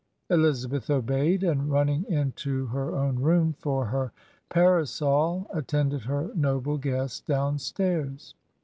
... Elizabeth obeyed, and running into her own room for her para sol, attended her noble guest down j^tairs.